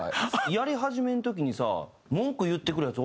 やり始めの時にさ文句言ってくるヤツ